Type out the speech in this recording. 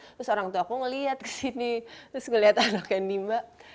terus orang tua aku ngeliat ke sini terus ngeliat anaknya nimbak